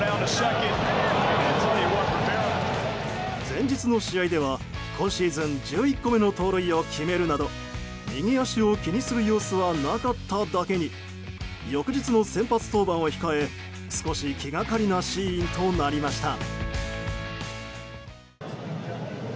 前日の試合では、今シーズン１１個目の盗塁を決めるなど右足を気にする様子はなかっただけに翌日の先発登板を控え少し気がかりなシーンとなりました。